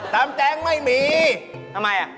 ตำแตงไม่มีทำไมอ่ะ